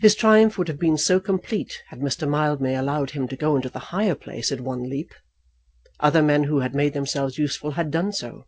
His triumph would have been so complete had Mr. Mildmay allowed him to go into the higher place at one leap. Other men who had made themselves useful had done so.